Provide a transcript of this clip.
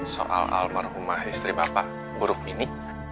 soal almarhumah istri bapak buruk ini